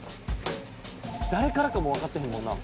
「誰からかもわかってへんもんな」